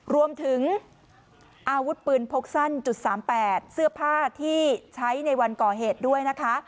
รวมถึงอาวุธปืนพกสั้น๓๘เสื้อผ้าที่ใช้ในวันก่อเหตุด้วยนะคะ